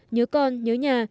nhớ con nhớ nhà